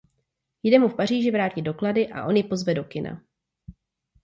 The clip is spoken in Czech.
Jde mu v Paříži vrátit doklady a on ji pozve do kina.